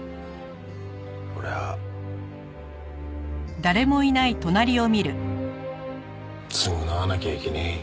俺は償わなきゃいけねえ。